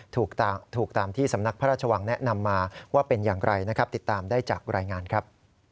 ถูกตามที่สำนักพระราชวังแนะนำมาว่าเป็นอย่างไรนะครับติดตามได้จากรายงานครับ